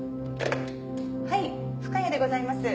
はい深谷でございます。